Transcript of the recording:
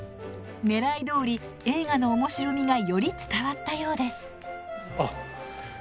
ねらいどおり映画の面白みがより伝わったようです。